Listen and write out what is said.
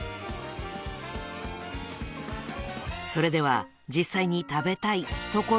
［それでは実際に食べたいところですが］